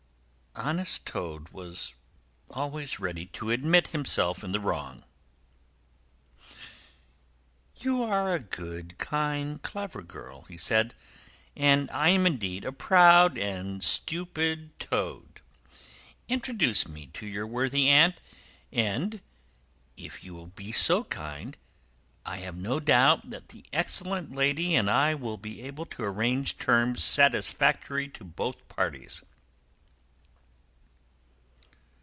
Honest Toad was always ready to admit himself in the wrong. "You are a good, kind, clever girl," he said, "and I am indeed a proud and a stupid toad. Introduce me to your worthy aunt, if you will be so kind, and I have no doubt that the excellent lady and I will be able to arrange terms satisfactory to both parties."